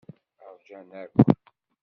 Ṛjan akk.